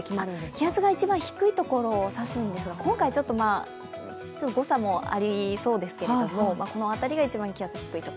気圧が一番低いところを指すんですが今回、誤差もありそうですが、この辺りが一番気圧が低い所。